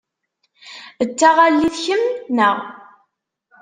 D taɣallit kemm, neɣ?